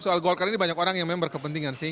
sudah siap untuk mengundurkan diri